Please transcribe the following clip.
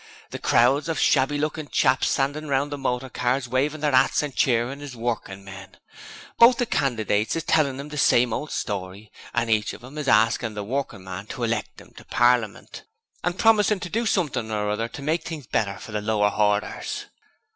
The crowds of shabby lookin' chaps standin' round the motor cars wavin' their 'ats and cheerin' is workin' men. Both the candidates is tellin' 'em the same old story, and each of 'em is askin' the workin' men to elect 'im to Parlimint, and promisin' to do something or other to make things better for the lower horders.'